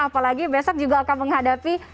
apalagi besok juga akan menghadapi